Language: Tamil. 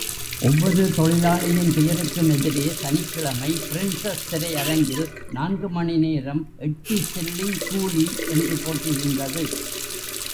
ஒவ்வொரு தொழிலாளியின் பெயருக்கும் எதிரே சனிக்கிழமை பிரின்ஸெஸ் திரைஅரங்கில் நான்கு மணிநேரம் எட்டுஷில்லிங் கூலி என்று போட்டிருந்தது.